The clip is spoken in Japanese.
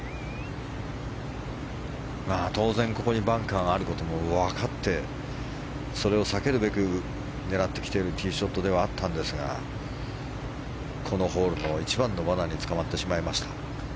当然、ここにバンカーがあることも分かってそれを避けるべく狙ってきているティーショットではあったんですがこのホールの一番のわなにつかまってしまいました。